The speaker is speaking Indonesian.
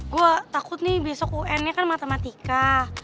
gue takut nih besok unnya kan matematika